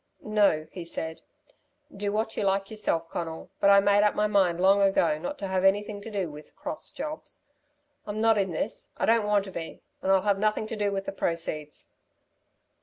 "No," he said. "Do what you like yourself, Conal, but I made up my mind long ago not to have anything to do with 'cross' jobs. I'm not in this. I don't want to be and I'll have nothing to do with the proceeds."